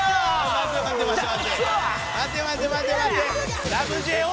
おい待て待て待て待て。